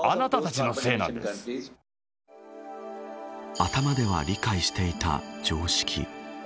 頭では理解していた常識。